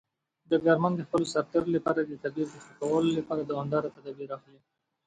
ډګرمن د خپلو سرتیرو لپاره د تدابیر د ښه کولو لپاره دوامداره تدابیر اخلي.